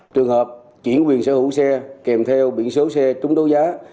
trường hợp chuyển quyền sở hữu xe kèm theo biển số xe trúng đấu giá